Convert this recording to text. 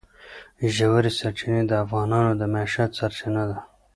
ژورې سرچینې د افغانانو د معیشت سرچینه ده.